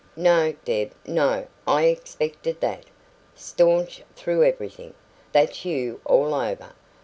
"No, Deb no; I expected that. Staunch through everything that's you all over.